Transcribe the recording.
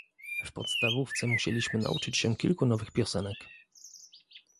W podstawówce musieliśmy nauczyć się kilku nowych piosenek